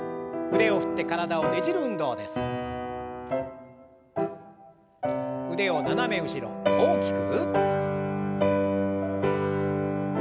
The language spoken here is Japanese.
腕を斜め後ろ大きく。